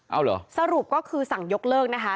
เอาเหรอสรุปก็คือสั่งยกเลิกนะคะ